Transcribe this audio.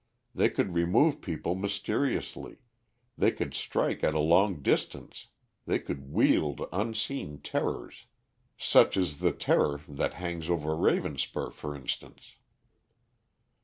They could remove people mysteriously, they could strike at a long distance, they could wield unseen terrors. Such is the terror that hangs over Ravenspur, for instance."